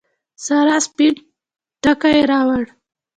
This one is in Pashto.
سارا سپين ټکی راووړ.